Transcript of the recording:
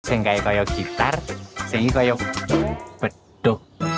seenggak kayak gitar seenggak kayak pedo